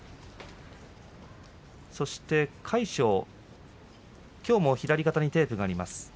魁勝はきょうも左肩にテープがあります。